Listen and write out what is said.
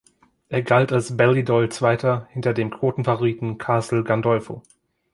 Er galt als Ballydoyle-Zweiter, hinter dem Quotenfavoriten Castle Gandolfo.